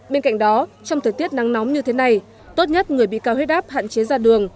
bên cạnh đó trong thời tiết nắng nóng như thế này tốt nhất người bị cao huyết áp hạn chế ra đường